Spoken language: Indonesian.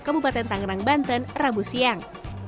kabupaten tangerang banten rabu siang